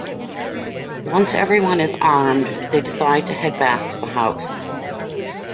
Once everyone is armed, they decide to head back to the house.